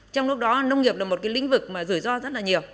trong lúc đó nông nghiệp là một lĩnh vực rủi ro rất nhiều